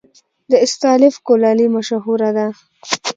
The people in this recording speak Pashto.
د استالف کلالي مشهوره ده